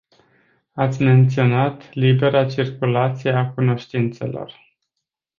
Ați menționat libera circulație a cunoștințelor.